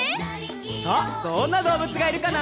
さあどんなどうぶつがいるかな？